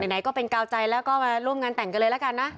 ไหนก็เป็นกาวใจแล้วก็มาร่วมงานแต่งกันเลยละกันนะ